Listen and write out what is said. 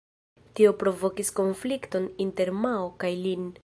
Tio provokis konflikton inter Mao kaj Lin.